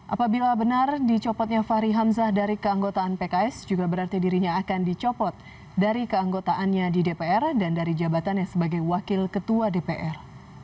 apabila benar dicopotnya fahri hamzah dari keanggotaan pks juga berarti dirinya akan dicopot dari keanggotaannya di dpr dan dari jabatannya sebagai wakil ketua dpr